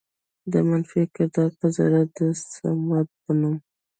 د منفي کردار په ذريعه د صمد په نوم